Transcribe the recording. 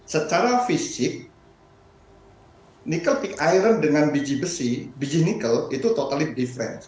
secara fisik nikel pick iron dengan biji besi biji nikel itu totally difference